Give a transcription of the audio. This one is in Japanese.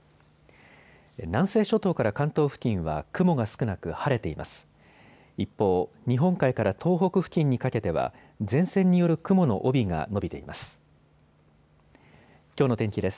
南西諸島から関東付近は雲が少なく晴れています。